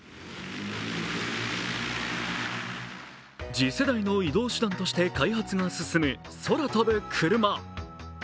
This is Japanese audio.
次世代の移動手段として開発が進む空飛ぶクルマ。